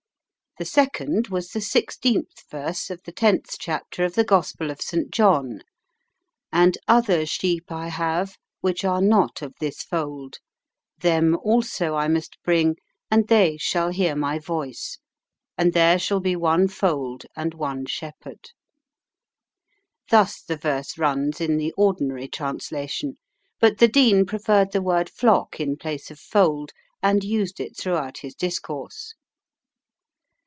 The second was the 16th verse of the 10th chapter of the Gospel of St. John: "And other sheep I have, which are not of this fold: them also I must bring, and they shall hear My voice; and there shall be one fold and one shepherd." Thus the verse runs in the ordinary translation, but the Dean preferred the word "flock" in place of fold, and used it throughout his discourse.